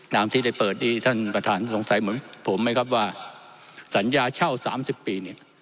ที่ได้เปิดนี้ท่านประธานสงสัยเหมือนผมไหมครับว่าสัญญาเช่า๓๐ปีเนี่ย